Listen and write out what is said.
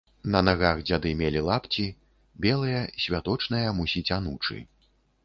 На нагах дзяды мелі лапці, белыя, святочныя, мусіць, анучы.